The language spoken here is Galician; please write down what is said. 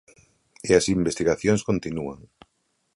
E as investigacións continúan.